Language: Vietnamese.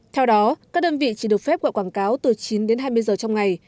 theo đó các đơn vị chỉ được phép gọi quảng cáo từ chín đến hai mươi giờ trong ngày